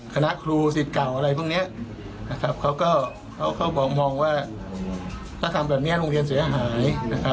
คณะครูสิทธิ์เก่าอะไรพวกนี้เขาก็มองว่าถ้าทำแบบนี้โรงเรียนเสียหาย